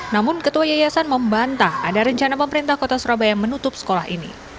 namun ketua yayasan membantah ada rencana pemerintah kota surabaya menutup sekolah ini